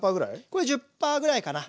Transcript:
これ１０％ぐらいかな。